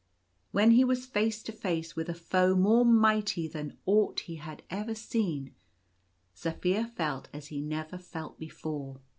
When he was face to face with a foe more mighty than aught he had ever seen, Zaphir felt as he never felt before.